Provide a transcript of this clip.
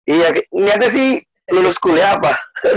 iya niatnya sih lulus kuliah apa